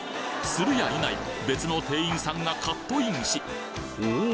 するや否や別の店員さんがカットインしおお！